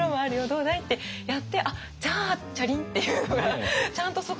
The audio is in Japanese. どうだい？」ってやってじゃあチャリンっていうのがちゃんとそこまで見えてるっていうのが。